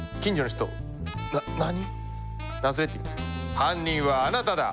「犯人はあなただ！」。